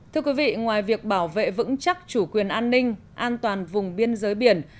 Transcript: thưa quý vị ngoài việc bảo vệ vững chắc chủ quyền an ninh an toàn vùng biên giới biển